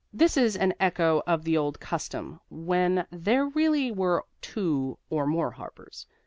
This is an echo of the old custom when there really were two or more Harpers.